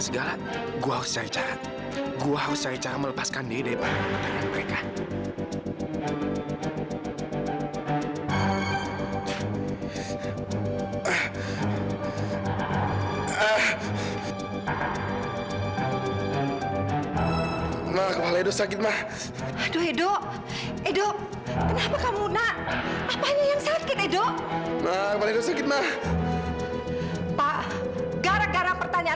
sampai jumpa di video selanjutnya